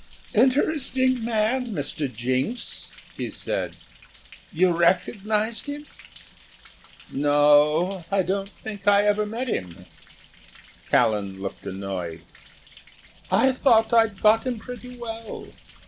"Interesting man, Mr. Jinks?" he said; "you recognised him?" "No," I said; "I don't think I ever met him." Callan looked annoyed. "I thought I'd got him pretty well.